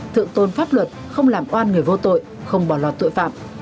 thượng tôn pháp luật không làm oan người vô tội không bỏ lọt tội phạm